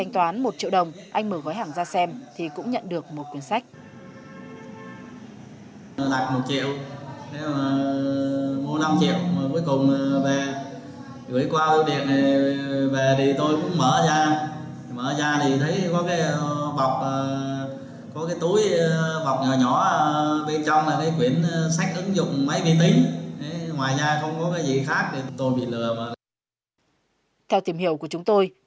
theo tìm hiểu của chúng tôi